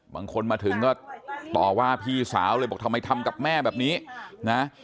บางคนมาถึงก็ต่อว่าพี่สาวเลยบอกทำไมทำกับแม่แบบนี้นะ